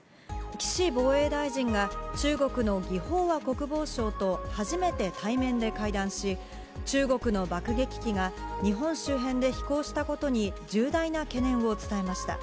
岸防衛大臣が中国の魏鳳和国防相と初めて対面で会談し、中国の爆撃機が日本周辺で飛行したことに、重大な懸念を伝えました。